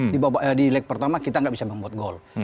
di leg pertama kita nggak bisa membuat gol